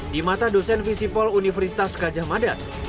di mata dosen visipol universitas kajah madan